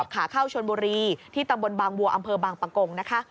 ขาเข้าชนบุรีที่ตำบลบางวัวอำเภอบางปะกงนะคะ